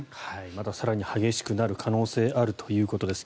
また更に激しくなる可能性があるということです。